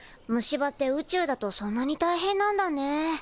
虫歯って宇宙だとそんなにたいへんなんだね。